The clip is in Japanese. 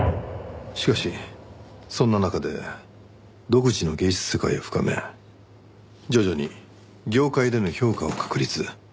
しかしそんな中で独自の芸術世界を深め徐々に業界での評価を確立。